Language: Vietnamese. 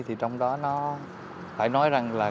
thì trong đó nó phải nói rằng là